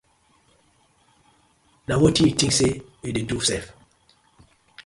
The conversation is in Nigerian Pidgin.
Na were yu tins sey yu dey do sef sef.